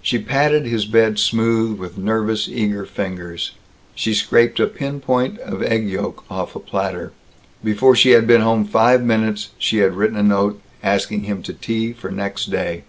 She patted his bed smooth with nervous eager fingers. She scraped a pin point of egg yolk off a platter. Before she had been home five minutes she had written a note asking him to tea for next day.